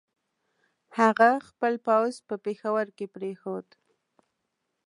هغه خپل پوځ په پېښور کې پرېښود.